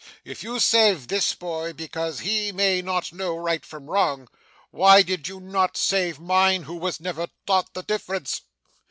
If you save this boy because he may not know right from wrong, why did you not save mine who was never taught the difference?